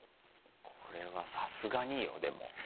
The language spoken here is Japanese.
これはさすがによ？でも。